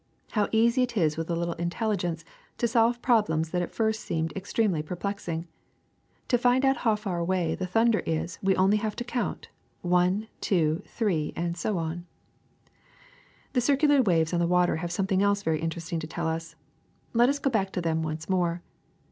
How easy it is with a little in telligence, to solve problems that at first seemed ex tremely perplexing ! To find out how far away the thunder is we only have to count one, two, three, and so on. ^* The circular waves on the water have something else very interesting to tell us. Let us go back to them once more.